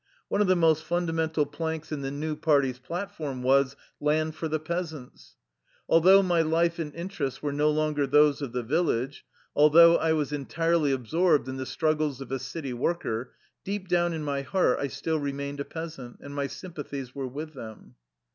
One of the most fundamental planks in the new party's platform was, ^' Land for the Peas ants." Although my life and interests were no longer those of the village; although I was en tirely absorbed in the struggles of a city worker, deep down in my heart I still remained a peas ant, and my sympathies were with them.